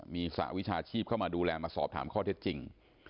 มีสหวิชาชีพเข้ามาดูแลมาสอบถามข้อเท็จจริง